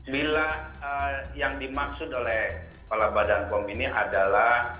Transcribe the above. bila yang dimaksud oleh kepala badan pom ini adalah